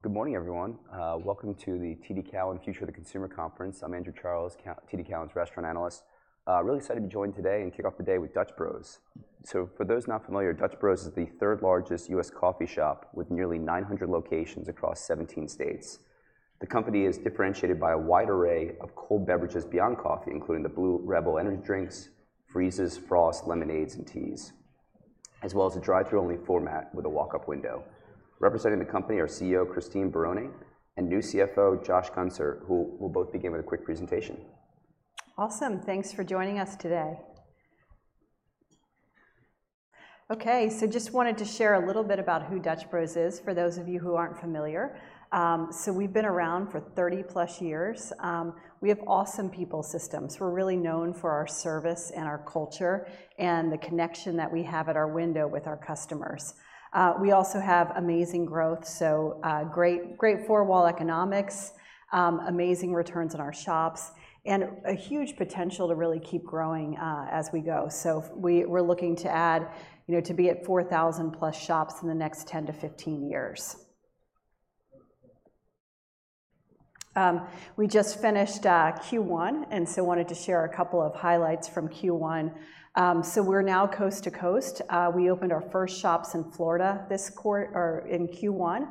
Good morning, everyone. Welcome to the TD Cowen Future of the Consumer Conference. I'm Andrew Charles, co-head of TD Cowen's restaurant analyst team. Really excited to be joined today and kick off the day Dutch Bros. So for those not familiar, Dutch Bros. is the third largest US coffee shop with nearly 900 locations across 17 states. The company is differentiated by a wide array of cold beverages beyond coffee, including the Blue Rebel energy drinks, freezes, frost, lemonades, and teas, as well as a drive-thru only format with a walk-up window. Representing the company are CEO Christine Barone and new CFO Joshua Guenser, who will both begin with a quick presentation. Awesome. Thanks for joining us today. Okay, so just wanted to share a little bit about who Dutch Bros. is, for those of you who aren't familiar. So we've been around for 30+ years. We have awesome people systems. We're really known for our service and our culture and the connection that we have at our window with our customers. We also have amazing growth, so, great four-wall economics, amazing returns in our shops, and a huge potential to really keep growing, as we go. So we're looking to add, you know, to be at 4,000+ shops in the next 10-15 years. We just finished Q1, and so wanted to share a couple of highlights from Q1. So we're now coast to coast. We opened our first shops in Florida in Q1.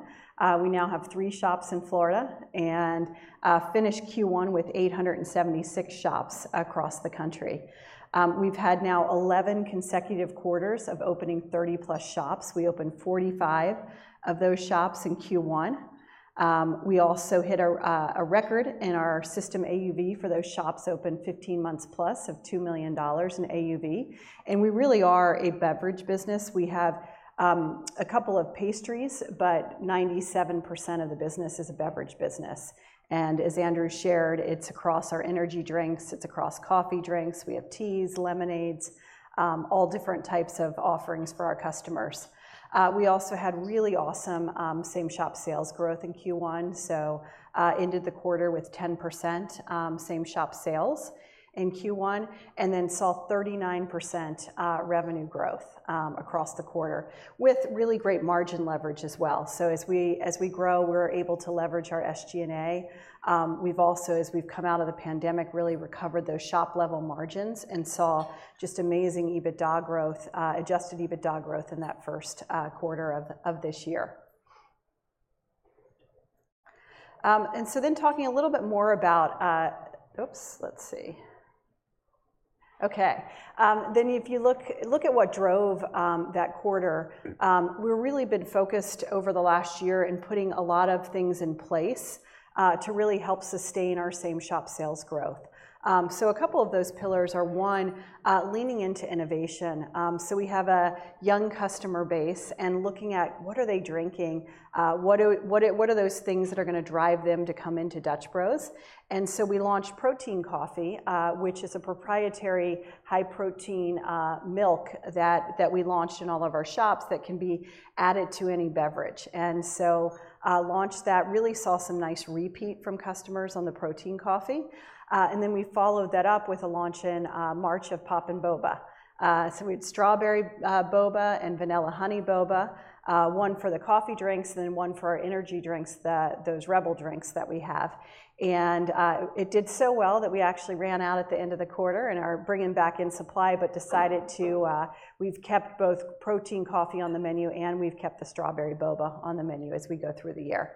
We now have three shops in Florida and finished Q1 with 876 shops across the country. We've had now 11 consecutive quarters of opening 30+ shops. We opened 45 of those shops in Q1. We also hit a record in our system AUV for those shops open 15 months+ of $2 million in AUV. We really are a beverage business. We have a couple of pastries, but 97% of the business is a beverage business, and as Andrew shared, it's across our energy drinks, it's across coffee drinks. We have teas, lemonades, all different types of offerings for our customers. We also had really awesome same-shop sales growth in Q1, so ended the quarter with 10% same-shop sales in Q1 and then saw 39% revenue growth across the quarter with really great margin leverage as well. So as we grow, we're able to leverage our SG&A. We've also, as we've come out of the pandemic, really recovered those shop-level margins and saw just amazing EBITDA growth, adjusted EBITDA growth in that Q1 of this year. And so then talking a little bit more about, then if you look, look at what drove that quarter, we're really been focused over the last year in putting a lot of things in place to really help sustain our same-shop sales growth. So a couple of those pillars are, one, leaning into innovation. So we have a young customer base and looking at what are they drinking? What are those things that are gonna drive them to come into Dutch Bros.? And so we launched Protein Coffee, which is a proprietary high-protein milk that we launched in all of our shops that can be added to any beverage. And so launched that, really saw some nice repeat from customers on the Protein Coffee, and then we followed that up with a launch in March of Poppin' Boba. So we had Strawberry Boba and Vanilla Honey Boba, one for the coffee drinks and then one for our energy drinks, those Rebel drinks that we have. It did so well that we actually ran out at the end of the quarter and are bringing back in supply, but decided to we've kept both Protein Coffee on the menu, and we've kept the Strawberry Boba on the menu as we go through the year.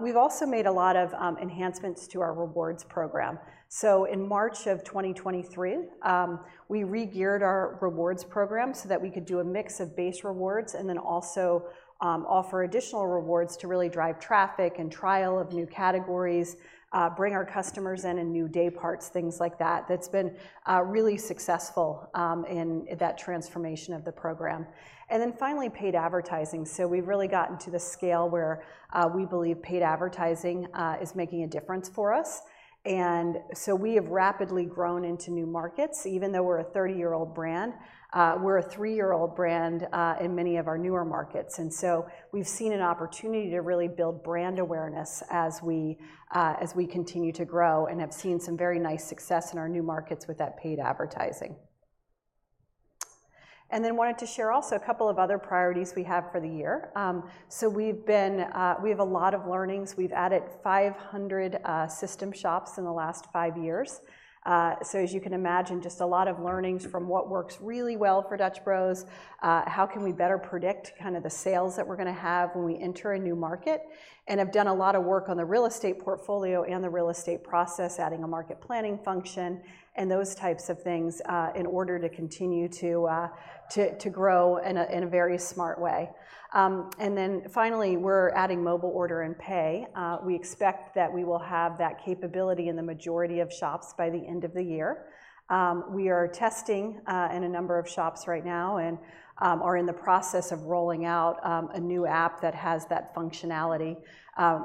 We've also made a lot of enhancements to our rewards program. So in March of 2023, we regeared our rewards program so that we could do a mix of base rewards and then also offer additional rewards to really drive traffic and trial of new categories, bring our customers in, in new day parts, things like that. That's been really successful in that transformation of the program. And then finally, paid advertising. So we've really gotten to the scale where, we believe paid advertising, is making a difference for us, and so we have rapidly grown into new markets. Even though we're a 30-year-old brand, we're a 3-year-old brand, in many of our newer markets. And so we've seen an opportunity to really build brand awareness as we, as we continue to grow and have seen some very nice success in our new markets with that paid advertising. And then wanted to share also a couple of other priorities we have for the year. So we've been, we have a lot of learnings. We've added 500, system shops in the last five years. So as you can imagine, just a lot of learnings from what works really well for Dutch Bros. How can we better predict kind of the sales that we're gonna have when we enter a new market? And have done a lot of work on the real estate portfolio and the real estate process, adding a market planning function and those types of things, in order to continue to grow in a very smart way. And then finally, we're adding mobile order and pay. We expect that we will have that capability in the majority of shops by the end of the year. We are testing in a number of shops right now and are in the process of rolling out a new app that has that functionality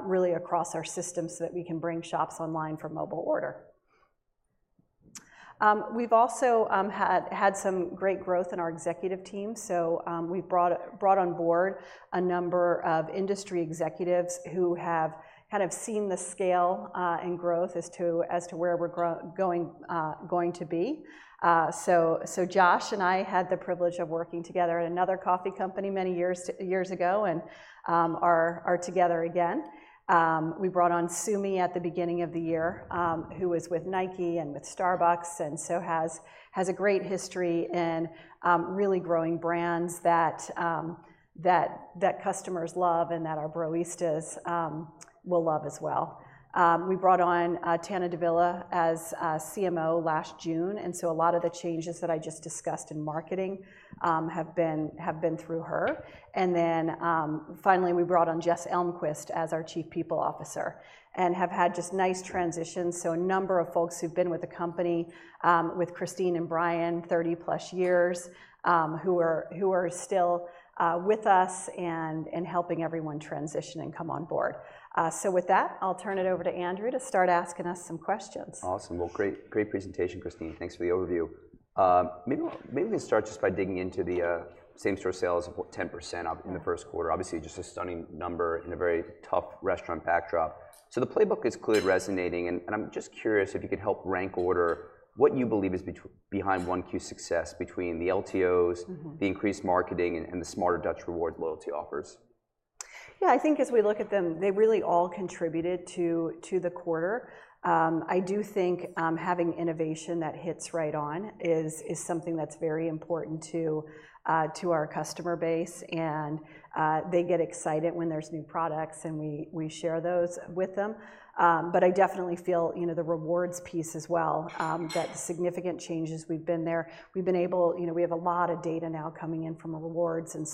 really across our systems so that we can bring shops online for mobile order... We've also had some great growth in our executive team. So, we've brought on board a number of industry executives who have kind of seen the scale and growth as to where we're going to be. So, Josh and I had the privilege of working together at another coffee company many years ago, and are together again. We brought on Sumi at the beginning of the year, who was with Nike and with Starbucks, and so has a great history in really growing brands that customers love and that our baristas will love as well. We brought on Tana Davila as CMO last June, and so a lot of the changes that I just discussed in marketing have been through her. And then, finally, we brought on Jess Elmquist as our Chief People Officer, and have had just nice transitions. So a number of folks who've been with the company with Christine and Brian, 30+ years, who are still with us and helping everyone transition and come on board. So with that, I'll turn it over to Andrew to start asking us some questions. Awesome. Well, great, great presentation, Christine. Thanks for the overview. Maybe, maybe we can start just by digging into the same-store sales of about 10% up in the Q1. Obviously, just a stunning number in a very tough restaurant backdrop. So the playbook is clearly resonating, and I'm just curious if you could help rank order what you believe is behind 1Q's success between the LTOs- Mm-hmm... the increased marketing, and the smarter Dutch Rewards loyalty offers. Yeah, I think as we look at them, they really all contributed to the quarter. I do think having innovation that hits right on is something that's very important to our customer base, and they get excited when there's new products, and we share those with them. But I definitely feel, you know, the rewards piece as well, that significant changes we've been there. We've been able. You know, we have a lot of data now coming in from the rewards, and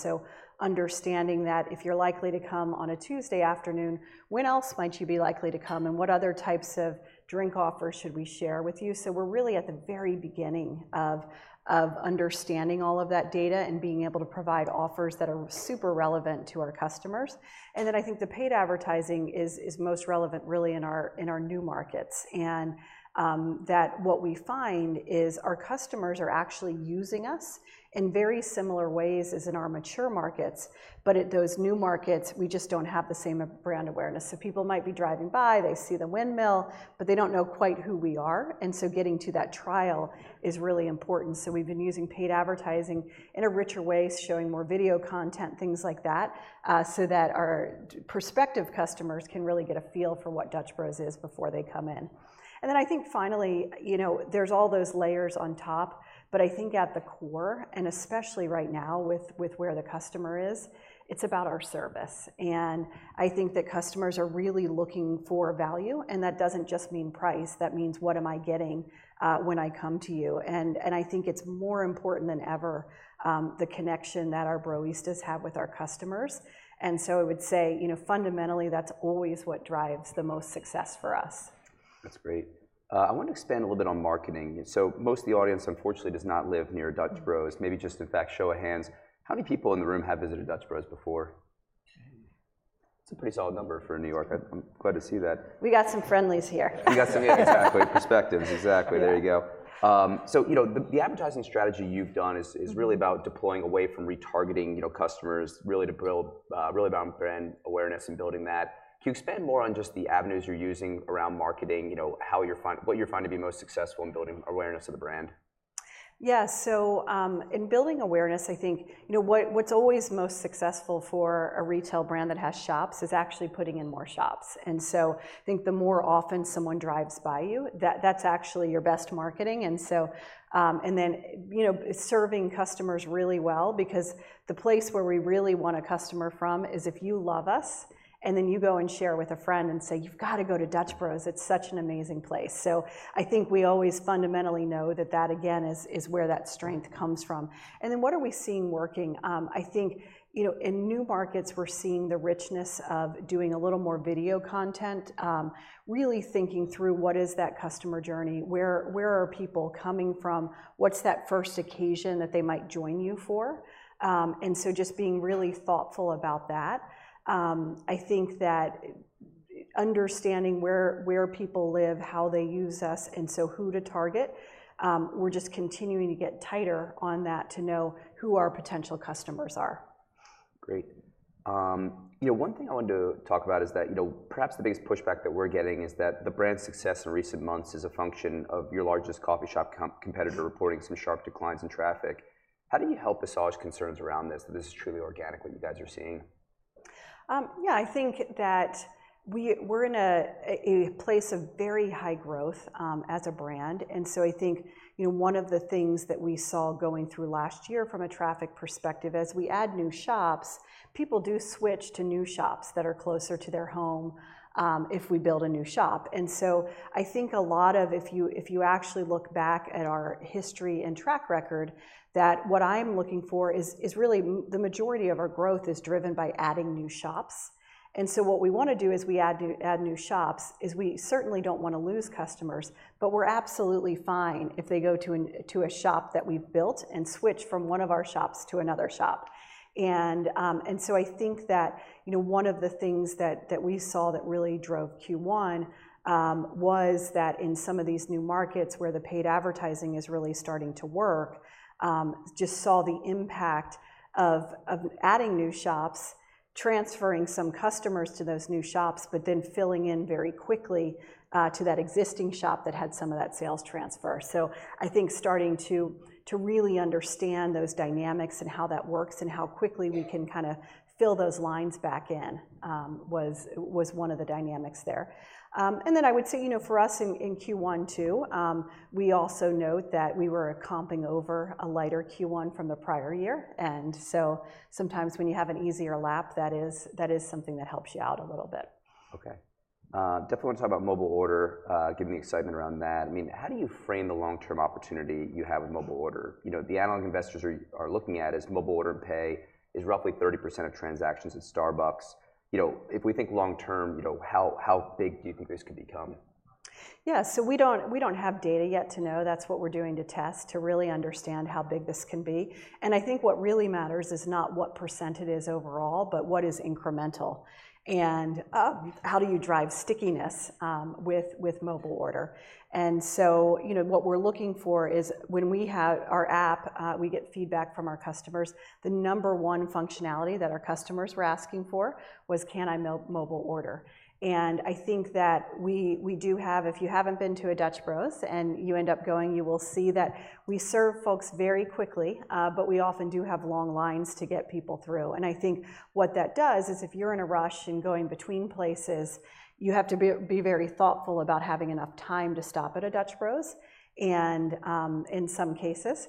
so understanding that if you're likely to come on a Tuesday afternoon, when else might you be likely to come, and what other types of drink offers should we share with you? So we're really at the very beginning of understanding all of that data and being able to provide offers that are super relevant to our customers. And then I think the paid advertising is most relevant really in our new markets, and that what we find is our customers are actually using us in very similar ways as in our mature markets, but at those new markets, we just don't have the same brand awareness. So people might be driving by, they see the windmill, but they don't know quite who we are, and so getting to that trial is really important. So we've been using paid advertising in a richer way, showing more video content, things like that, so that our prospective customers can really get a feel for what Dutch Bros. is before they come in. And then I think finally, you know, there's all those layers on top, but I think at the core, and especially right now with, with where the customer is, it's about our service. And I think that customers are really looking for value, and that doesn't just mean price, that means, "What am I getting, when I come to you?" And, and I think it's more important than ever, the connection that our baristas have with our customers, and so I would say, you know, fundamentally, that's always what drives the most success for us. That's great. I want to expand a little bit on marketing. Most of the audience, unfortunately, does not live near Dutch Bros. Mm. Maybe just, in fact, show of hands, how many people in the room have visited Dutch Bros. before? It's a pretty solid number for New York. I'm glad to see that. We got some friendlies here. We got some, yeah, exactly, perspectives. Exactly. Yeah. There you go. So, you know, the advertising strategy you've done is- Mm... is really about deploying away from retargeting, you know, customers, really to build, really around brand awareness and building that. Can you expand more on just the avenues you're using around marketing, you know, how you're finding what you're finding to be most successful in building awareness of the brand? Yeah, so, in building awareness, I think, you know, what, what's always most successful for a retail brand that has shops is actually putting in more shops. And so I think the more often someone drives by you, that's actually your best marketing, and so... And then, you know, serving customers really well because the place where we really want a customer from is, if you love us, and then you go and share with a friend and say, "You've got to go Dutch Bros. it's such an amazing place." So I think we always fundamentally know that that, again, is, is where that strength comes from. And then what are we seeing working? I think, you know, in new markets, we're seeing the richness of doing a little more video content, really thinking through what is that customer journey, where are people coming from, what's that first occasion that they might join you for? And so just being really thoughtful about that. I think that understanding where people live, how they use us, and so who to target, we're just continuing to get tighter on that to know who our potential customers are. Great. You know, one thing I wanted to talk about is that, you know, perhaps the biggest pushback that we're getting is that the brand's success in recent months is a function of your largest coffee shop competitor reporting some sharp declines in traffic. How do you help assuage concerns around this, that this is truly organic, what you guys are seeing?... Yeah, I think that we, we're in a place of very high growth, as a brand. And so I think, you know, one of the things that we saw going through last year from a traffic perspective, as we add new shops, people do switch to new shops that are closer to their home, if we build a new shop. And so I think a lot of, if you actually look back at our history and track record, that what I'm looking for is the majority of our growth is driven by adding new shops. And so what we want to do as we add new shops is we certainly don't want to lose customers, but we're absolutely fine if they go to a shop that we've built and switch from one of our shops to another shop. And so I think that, you know, one of the things that we saw that really drove Q1 was that in some of these new markets where the paid advertising is really starting to work, just saw the impact of adding new shops, transferring some customers to those new shops, but then filling in very quickly to that existing shop that had some of that sales transfer. So I think starting to really understand those dynamics and how that works and how quickly we can kind of fill those lines back in was one of the dynamics there. And then I would say, you know, for us in Q1, too, we also note that we were comping over a lighter Q1 from the prior year. And so sometimes when you have an easier lap, that is something that helps you out a little bit. Okay. Definitely want to talk about mobile order, given the excitement around that. I mean, how do you frame the long-term opportunity you have with mobile order? You know, the analog investors are looking at is mobile order and pay is roughly 30% of transactions at Starbucks. You know, if we think long term, you know, how big do you think this could become? Yeah, so we don't have data yet to know. That's what we're doing to test, to really understand how big this can be. I think what really matters is not what percent it is overall, but what is incremental, and how do you drive stickiness with mobile order? So, you know, what we're looking for is when we have our app, we get feedback from our customers. The number one functionality that our customers were asking for was, "Can I mobile order?" And I think that we do have... If you haven't been to a Dutch Bros., and you end up going, you will see that we serve folks very quickly, but we often do have long lines to get people through. I think what that does is, if you're in a rush and going between places, you have to be very thoughtful about having enough time to stop at a Dutch Bros., and in some cases.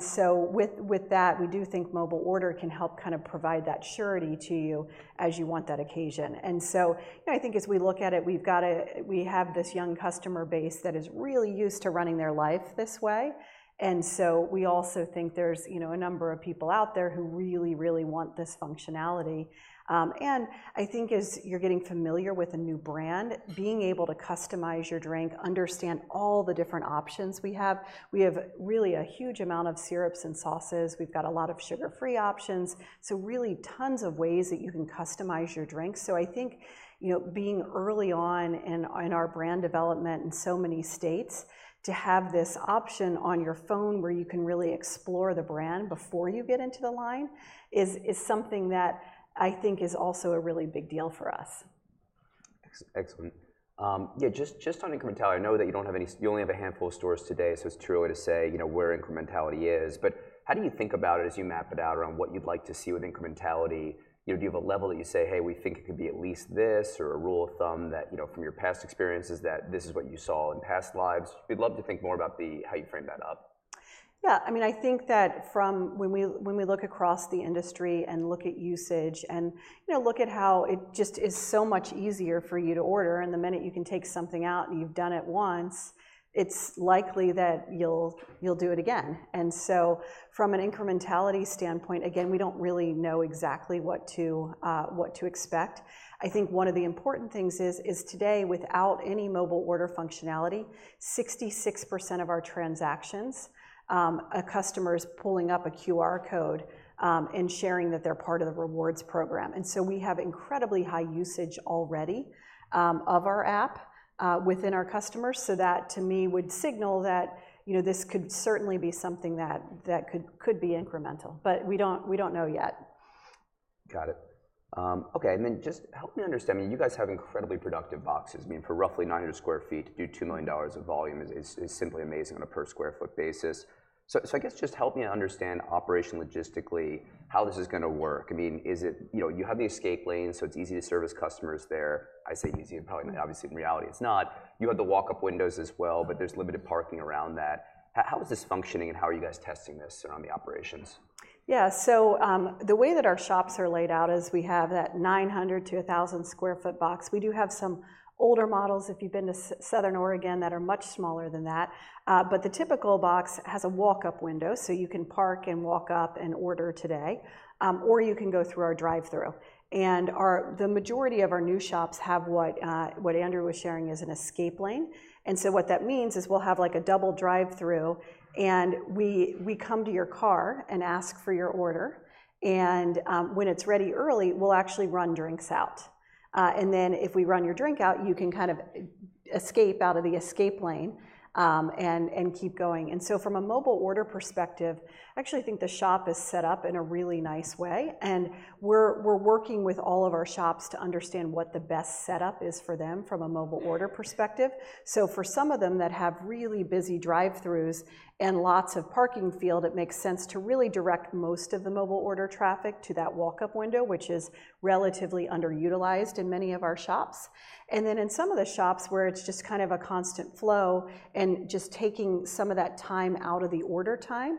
So with that, we do think mobile order can help kind of provide that surety to you as you want that occasion. So, you know, I think as we look at it, we have this young customer base that is really used to running their life this way, and so we also think there's, you know, a number of people out there who really, really want this functionality. And I think as you're getting familiar with a new brand, being able to customize your drink, understand all the different options we have. We have really a huge amount of syrups and sauces. We've got a lot of sugar-free options, so really tons of ways that you can customize your drink. So I think, you know, being early on in our brand development in so many states, to have this option on your phone where you can really explore the brand before you get into the line, is something that I think is also a really big deal for us. Excellent. Yeah, just on incrementality, I know that you don't have any... You only have a handful of stores today, so it's too early to say, you know, where incrementality is. But how do you think about it as you map it out around what you'd like to see with incrementality? You know, do you have a level that you say, "Hey, we think it could be at least this," or a rule of thumb that, you know, from your past experiences that this is what you saw in past lives? We'd love to think more about how you frame that up. Yeah, I mean, I think that from when we look across the industry and look at usage and, you know, look at how it just is so much easier for you to order, and the minute you can take something out and you've done it once, it's likely that you'll do it again. And so from an incrementality standpoint, again, we don't really know exactly what to expect. I think one of the important things is today, without any mobile order functionality, 66% of our transactions, a customer is pulling up a QR code, and sharing that they're part of the Rewards Program. And so we have incredibly high usage already, of our app within our customers. That, to me, would signal that, you know, this could certainly be something that could be incremental, but we don't know yet. Got it. Okay, and then just help me understand. I mean, you guys have incredibly productive boxes. I mean, for roughly 900 sq ft to do $2 million of volume is simply amazing on a per sq ft basis. So, I guess just help me understand operation logistically, how this is going to work. I mean, is it... You know, you have the escape lane, so it's easy to service customers there. I say easy and probably, but obviously in reality, it's not. You have the walk-up windows as well, but there's limited parking around that. How is this functioning, and how are you guys testing this around the operations? Yeah, so, the way that our shops are laid out is we have that 900-1,000 sq ft box. We do have some older models, if you've been to Southern Oregon, that are much smaller than that. But the typical box has a walk-up window, so you can park and walk up and order today, or you can go through our drive-thru. And the majority of our new shops have what Andrew was sharing, is an escape lane. And so what that means is we'll have, like, a double drive-thru, and we come to your car and ask for your order, and when it's ready early, we'll actually run drinks out. And then if we run your drink out, you can kind of escape out of the escape lane, and keep going. And so from a mobile order perspective, I actually think the shop is set up in a really nice way, and we're working with all of our shops to understand what the best setup is for them from a mobile order perspective. So for some of them that have really busy drive-throughs and lots of parking field, it makes sense to really direct most of the mobile order traffic to that walk-up window, which is relatively underutilized in many of our shops. And then in some of the shops, where it's just kind of a constant flow and just taking some of that time out of the order time,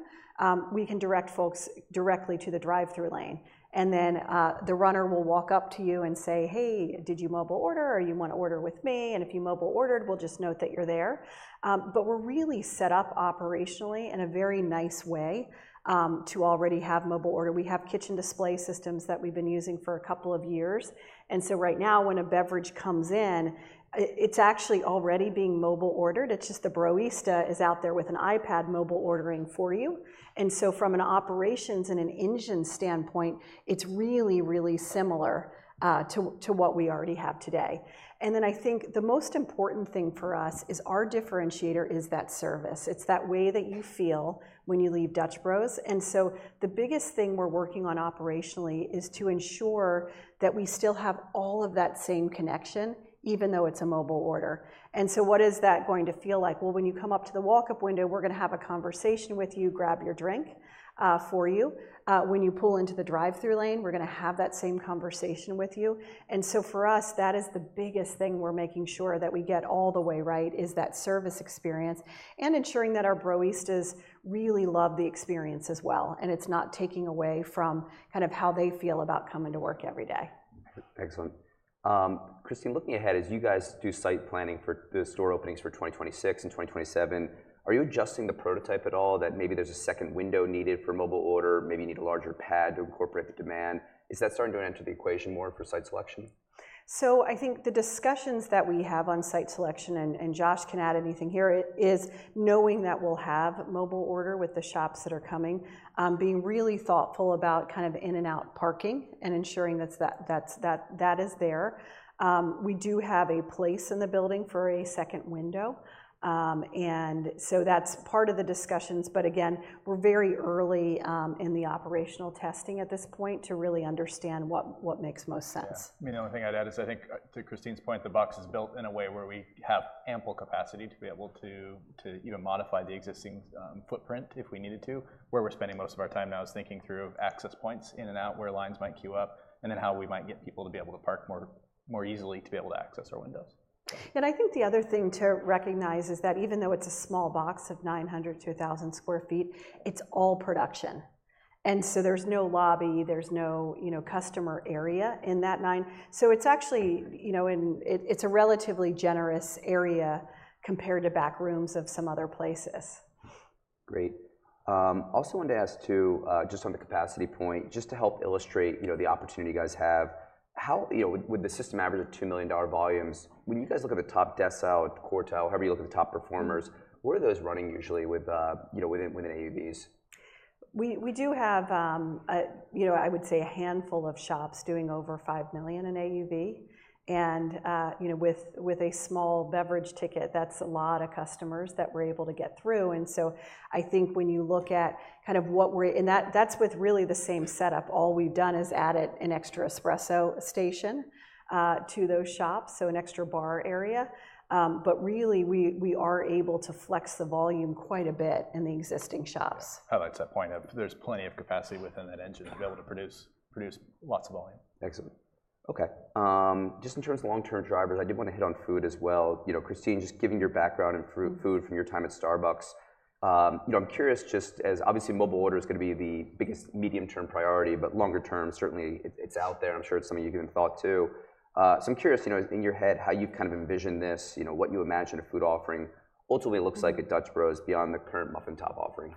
we can direct folks directly to the drive-through lane, and then the runner will walk up to you and say, "Hey, did you mobile order, or you want to order with me? And if you mobile ordered, we'll just note that you're there." But we're really set up operationally in a very nice way to already have mobile order. We have kitchen display systems that we've been using for a couple of years, and so right now, when a beverage comes in, it's actually already being mobile ordered. It's just the Broista is out there with an iPad mobile ordering for you. And so from an operations and an engine standpoint, it's really, really similar to what we already have today. And then I think the most important thing for us is our differentiator is that service. It's that way that you feel when you Dutch Bros. and so the biggest thing we're working on operationally is to ensure that we still have all of that same connection, even though it's a mobile order. What is that going to feel like? Well, when you come up to the walk-up window, we're gonna have a conversation with you, grab your drink, for you. When you pull into the drive-through lane, we're gonna have that same conversation with you. For us, that is the biggest thing we're making sure that we get all the way right, is that service experience and ensuring that our Broistas really love the experience as well, and it's not taking away from kind of how they feel about coming to work every day. Excellent. Christine, looking ahead, as you guys do site planning for the store openings for 2026 and 2027, are you adjusting the prototype at all, that maybe there's a second window needed for mobile order, maybe you need a larger pad to incorporate the demand? Is that starting to enter the equation more for site selection? So I think the discussions that we have on site selection, and Josh can add anything here, is knowing that we'll have mobile order with the shops that are coming, being really thoughtful about kind of in and out parking and ensuring that's there. We do have a place in the building for a second window, and so that's part of the discussions, but again, we're very early in the operational testing at this point to really understand what makes most sense. Yeah. I mean, the only thing I'd add is I think to Christine's point, the box is built in a way where we have ample capacity to be able to even modify the existing footprint if we needed to. Where we're spending most of our time now is thinking through access points in and out, where lines might queue up, and then how we might get people to be able to park more easily to be able to access our windows. I think the other thing to recognize is that even though it's a small box of 900-1,000 sq ft, it's all production, and so there's no lobby, there's no, you know, customer area in that 900. So it's actually, you know, and it, it's a relatively generous area compared to back rooms of some other places. Great. Also wanted to ask, too, just on the capacity point, just to help illustrate, you know, the opportunity you guys have, how... You know, with, with the system average of $2 million volumes, when you guys look at the top decile, quartile, however you look at the top performers- Mm-hmm. What are those running usually with, you know, within AUVs? We do have, you know, I would say a handful of shops doing over $5 million in AUV, and, you know, with a small beverage ticket, that's a lot of customers that we're able to get through, and so I think when you look at kind of what we're... And that, that's with really the same setup. All we've done is added an extra espresso station to those shops, so an extra bar area. But really, we are able to flex the volume quite a bit in the existing shops. I'd like to point out there's plenty of capacity within that engine- Mm-hmm. to be able to produce, produce lots of volume. Excellent. Okay, just in terms of long-term drivers, I did want to hit on food as well. You know, Christine, just given your background in food from your time at Starbucks, you know, I'm curious, just as obviously, mobile order is going to be the biggest medium-term priority, but longer term, certainly, it, it's out there. I'm sure it's something you've given thought to. So I'm curious, you know, in your head, how you kind of envision this, you know, what you imagine a food offering ultimately looks like- Mm Dutch Bros. beyond the current Muffin Top offering.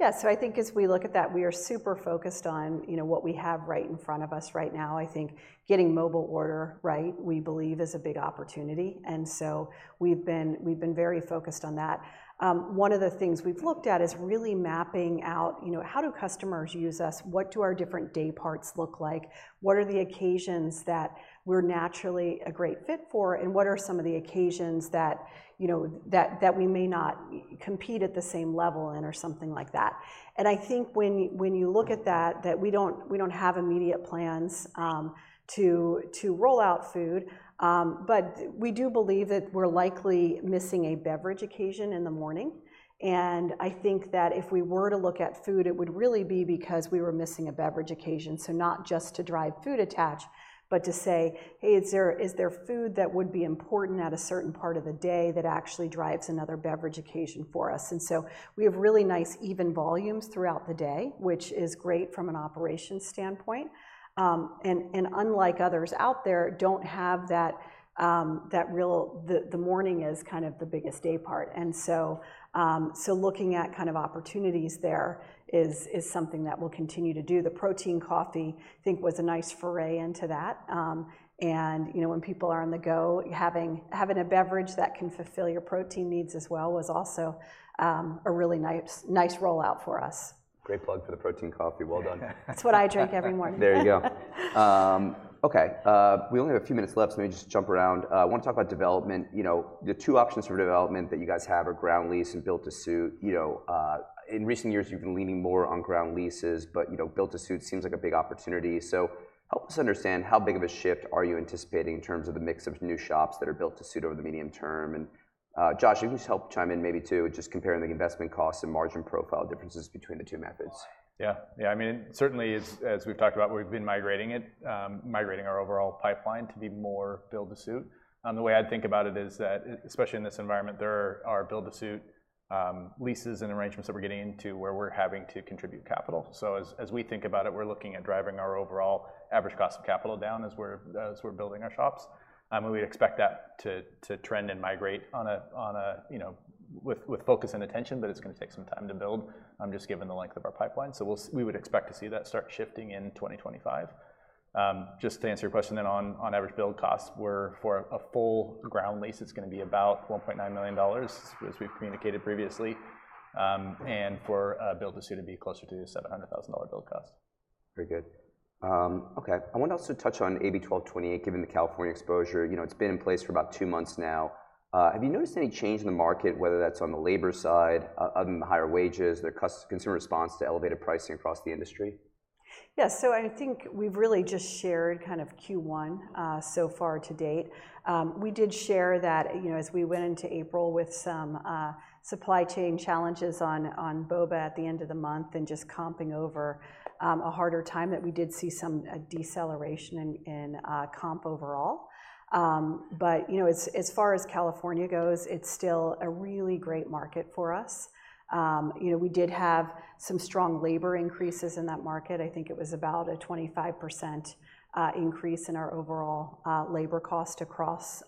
Yeah. So I think as we look at that, we are super focused on, you know, what we have right in front of us right now. I think getting mobile order right, we believe, is a big opportunity, and so we've been, we've been very focused on that. One of the things we've looked at is really mapping out, you know, how do customers use us? What do our different day parts look like? What are the occasions that we're naturally a great fit for, and what are some of the occasions that, you know, that, that we may not compete at the same level in or something like that? And I think when you look at that, we don't have immediate plans to roll out food, but we do believe that we're likely missing a beverage occasion in the morning, and I think that if we were to look at food, it would really be because we were missing a beverage occasion. So not just to drive food attach, but to say, "Hey, is there food that would be important at a certain part of the day that actually drives another beverage occasion for us?" And so we have really nice even volumes throughout the day, which is great from an operations standpoint, and unlike others out there, don't have that real... The morning is kind of the biggest day part, and so looking at kind of opportunities there is something that we'll continue to do. The Protein Coffee, I think, was a nice foray into that, and you know, when people are on the go, having a beverage that can fulfill your protein needs as well, was also a really nice rollout for us. Great plug for the Protein Coffee. Well done. It's what I drink every morning. There you go. Okay, we only have a few minutes left, so let me just jump around. I want to talk about development. You know, the two options for development that you guys have are ground lease and build to suit. You know, in recent years, you've been leaning more on ground leases, but, you know, build to suit seems like a big opportunity. So help us understand, how big of a shift are you anticipating in terms of the mix of new shops that are built to suit over the medium term? And, Josh, you can just help chime in maybe, too, just comparing the investment costs and margin profile differences between the two methods. Yeah. Yeah, I mean, certainly, as we've talked about, we've been migrating it, migrating our overall pipeline to be more build-to-suit. The way I'd think about it is that especially in this environment, there are build-to-suit leases and arrangements that we're getting into where we're having to contribute capital. So as we think about it, we're looking at driving our overall average cost of capital down as we're building our shops. And we expect that to trend and migrate on a, you know, with focus and attention, but it's gonna take some time to build, just given the length of our pipeline. So we would expect to see that start shifting in 2025. Just to answer your question then on average build costs, for a full ground lease, it's gonna be about $1.9 million, as we've communicated previously, and for a build to suit, it'd be closer to the $700,000 build cost. Very good. Okay, I want to also touch on AB 1228, given the California exposure. You know, it's been in place for about two months now. Have you noticed any change in the market, whether that's on the labor side, other than the higher wages, the consumer response to elevated pricing across the industry? Yeah. So I think we've really just shared kind of Q1 so far to date. We did share that, you know, as we went into April with some supply chain challenges on boba at the end of the month and just comping over a harder time, that we did see some deceleration in comp overall. But, you know, as far as California goes, it's still a really great market for us. You know, we did have some strong labor increases in that market. I think it was about a 25% increase in our overall labor cost across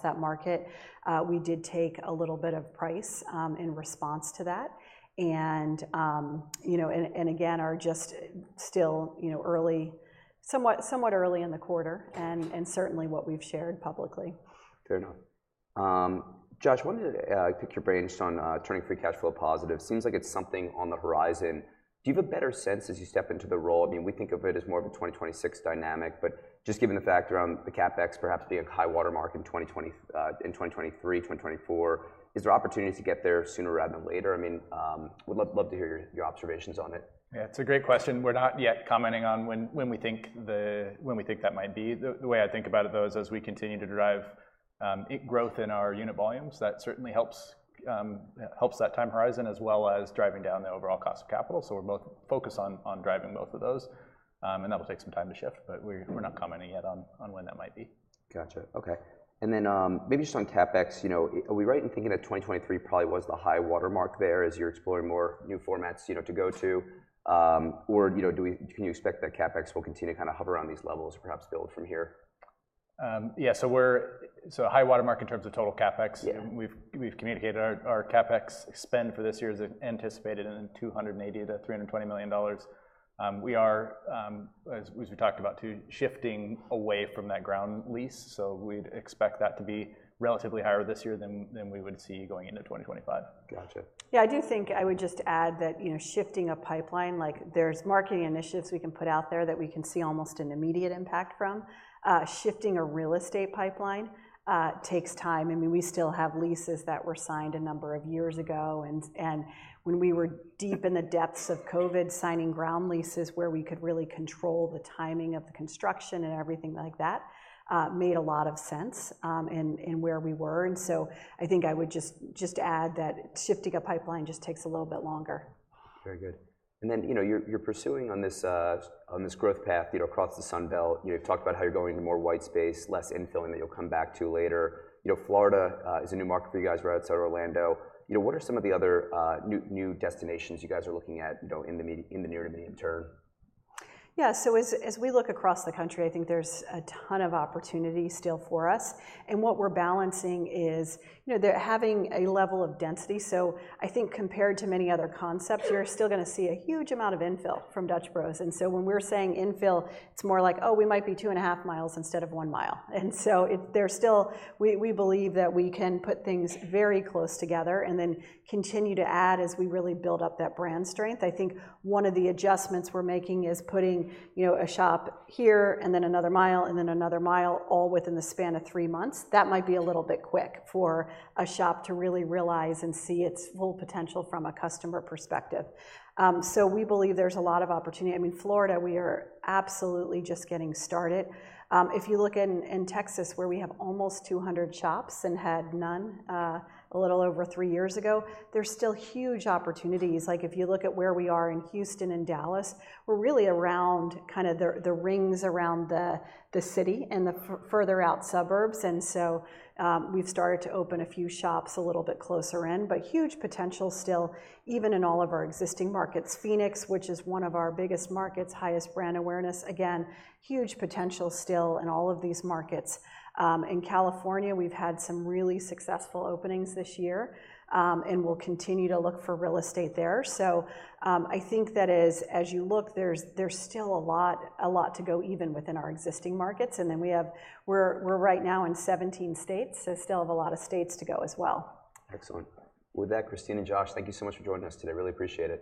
that market. We did take a little bit of price in response to that, and you know, and again, are just still you know, early, somewhat early in the quarter, and certainly what we've shared publicly. Fair enough. Josh, wanted to pick your brain just on turning free cash flow positive. Seems like it's something on the horizon. Do you have a better sense as you step into the role? I mean, we think of it as more of a 2026 dynamic, but just given the factor around the CapEx perhaps being a high-water mark in 2023-2024, is there opportunity to get there sooner rather than later? I mean, would love, love to hear your, your observations on it. Yeah, it's a great question. We're not yet commenting on when we think that might be. The way I think about it, though, is as we continue to drive growth in our unit volumes, that certainly helps that time horizon, as well as driving down the overall cost of capital, so we're both focused on driving both of those. And that'll take some time to shift, but we're- Mm... we're not commenting yet on when that might be. Gotcha. Okay. And then, maybe just on CapEx, you know, are we right in thinking that 2023 probably was the high-water mark there as you're exploring more new formats, you know, to go to? Or, you know, can you expect that CapEx will continue to kind of hover around these levels, perhaps build from here? Yeah, so high-water mark in terms of total CapEx- Yeah... we've communicated our CapEx spend for this year is anticipated in $280-$320 million. We are, as we talked about, too, shifting away from that ground lease, so we'd expect that to be relatively higher this year than we would see going into 2025. Gotcha. Yeah, I do think I would just add that, you know, shifting a pipeline, like, there's marketing initiatives we can put out there that we can see almost an immediate impact from. Shifting a real estate pipeline takes time. I mean, we still have leases that were signed a number of years ago, and when we were deep in the depths of COVID, signing ground leases where we could really control the timing of the construction and everything like that made a lot of sense in where we were. And so I think I would just add that shifting a pipeline just takes a little bit longer. Very good. And then, you know, you're pursuing on this growth path, you know, across the Sun Belt. You know, you've talked about how you're going into more white space, less infilling that you'll come back to later. You know, Florida is a new market for you guys. We're outside Orlando. You know, what are some of the other new destinations you guys are looking at, you know, in the near to medium term? Yeah, so as we look across the country, I think there's a ton of opportunity still for us, and what we're balancing is, you know, the having a level of density. So I think compared to many other concepts, you're still gonna see a huge amount of infill Dutch Bros. and so when we're saying infill, it's more like, oh, we might be two and a half miles instead of one mile. And so it. There's still we believe that we can put things very close together and then continue to add as we really build up that brand strength. I think one of the adjustments we're making is putting, you know, a shop here and then another mile and then another mile, all within the span of three months. That might be a little bit quick for a shop to really realize and see its full potential from a customer perspective. So we believe there's a lot of opportunity. I mean, Florida, we are absolutely just getting started. If you look in Texas, where we have almost 200 shops and had none a little over 3 years ago, there's still huge opportunities. Like, if you look at where we are in Houston and Dallas, we're really around kind of the rings around the city and the further out suburbs, and so we've started to open a few shops a little bit closer in, but huge potential still, even in all of our existing markets. Phoenix, which is one of our biggest markets, highest brand awareness, again, huge potential still in all of these markets. In California, we've had some really successful openings this year, and we'll continue to look for real estate there. So, I think that as you look, there's still a lot to go, even within our existing markets. And then we're right now in 17 states, so still have a lot of states to go as well. Excellent. With that, Christine and Josh, thank you so much for joining us today. Really appreciate it.